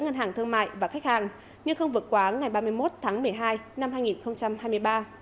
ngân hàng thương mại và khách hàng nhưng không vượt quá ngày ba mươi một tháng một mươi hai năm hai nghìn hai mươi ba